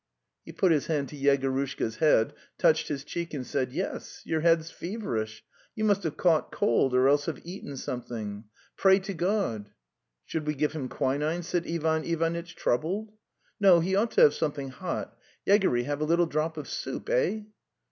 He put his hand to Yegorushka's head, touched his cheek and said: " Mes, your head's) feverish. .\.. You must have caught cold or else have eaten something. ... Pray to God." 'Should we give him quinine? ... Ivanitch, troubled. ~* No; he ought to have something hot. ... Yegory, have a little drop of soup? Eh?"